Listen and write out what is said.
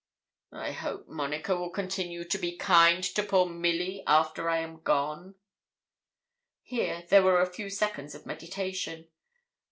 'I hope Monica will continue to be kind to poor Milly after I am gone.' Here there were a few seconds of meditation.